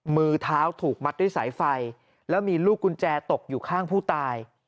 มือเท้าถูกมัดด้วยสายไฟแล้วมีลูกกุญแจตกอยู่ข้างผู้ตาย